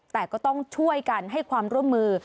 แต่ก็ต้องช่วยกันให้ความร่วมมือ